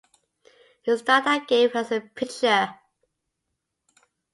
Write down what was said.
He started that game as a pitcher.